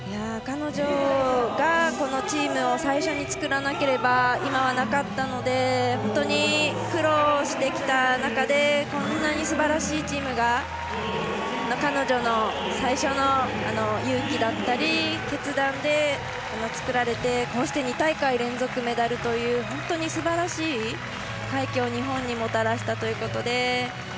彼女がこのチームを最初に作らなければ今はなかったので本当に苦労してきた中でこんなにすばらしいチームが彼女の最初の勇気だったり決断で作られてこうして２大会連続メダルというすばらしい快挙を日本にもたらしたということで。